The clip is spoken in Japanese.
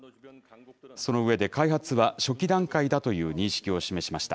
その上で、開発は初期段階だという認識を示しました。